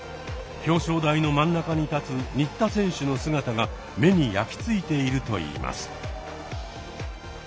表彰台の真ん中に立つ新田選手の姿が目に焼き付いているといいます。